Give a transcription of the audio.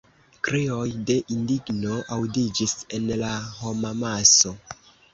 Krioj de indigno aŭdiĝis en la homamaso.